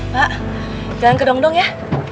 pak jalan ke dongdong ya